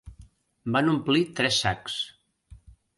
Van omplir tres sacs.